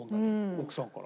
奥さんから。